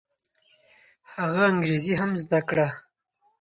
هغه انګریزي هم زده کړه.